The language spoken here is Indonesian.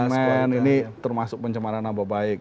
hak konsumen ini termasuk pencemaran nama baik